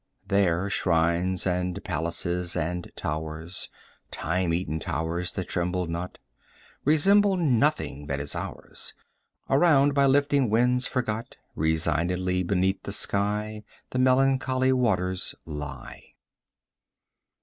5 There shrines and palaces and towers (Time eaten towers that tremble not) Resemble nothing that is ours. Around, by lifting winds forgot, Resignedly beneath the sky 10 The melancholy waters lie.